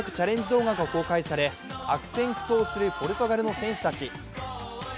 動画が公開され、悪戦苦闘するポルトガルの選手たち。